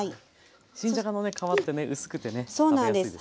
新じゃがのね皮ってね薄くて食べやすいですね。